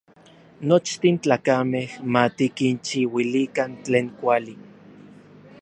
Nochtin tlakamej ma tikinchiuilikan tlen kuali.